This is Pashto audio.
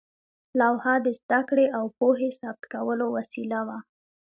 لوحه د زده کړې او پوهې ثبت کولو وسیله وه.